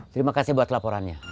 terima kasih buat laporannya